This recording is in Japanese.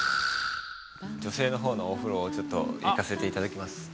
女性の方のお風呂をちょっと行かせていただきます